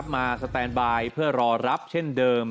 สแตนบายเพื่อรอรับเช่นเดิม